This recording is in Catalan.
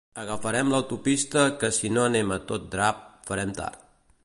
Agafarem l'autopista que si no anem a tot drap, farem tard.